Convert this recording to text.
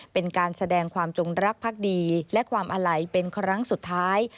เป็นการแสดงความจงรักภักดีและความอาลัยเป็นครั้งสุดท้าย